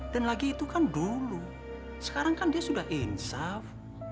dan lagi itu kan dulu sekarang kan dia sudah insaf